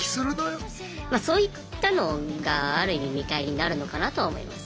まそういったのがある意味見返りになるのかなと思います。